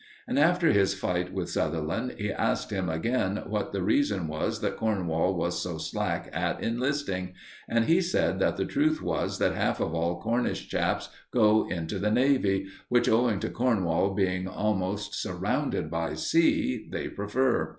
And after his fight with Sutherland, we asked him again what the reason was that Cornwall was so slack at enlisting, and he said that the truth was that half of all Cornish chaps go into the Navy, which, owing to Cornwall being almost surrounded by sea, they prefer.